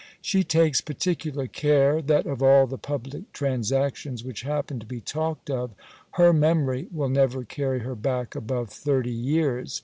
She takes particular care, that of all the public transactions which happen to be talked of, her memory will never carry her back above thirty years!